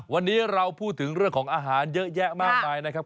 วันนี้เราพูดถึงเรื่องของอาหารเยอะแยะมากมายนะครับ